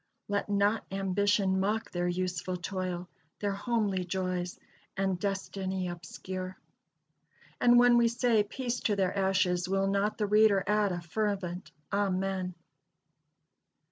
"Let not ambition mock their useful toil, Their homely joys and destiny obscure;" and when we say, Peace to their ashes! will not the reader add a fervent Amen!